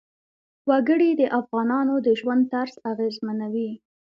وګړي د افغانانو د ژوند طرز اغېزمنوي.